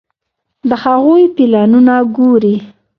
د هغوی پلانونه ګوري.